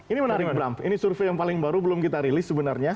ini menarik bram ini survei yang paling baru belum kita rilis sebenarnya